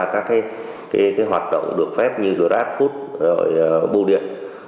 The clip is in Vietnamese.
các hoạt động được phép như grabfood bù điện